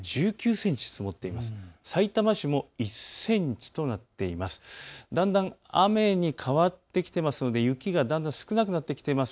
さいたま市も１センチとなっています。